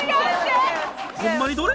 ホンマにどれ？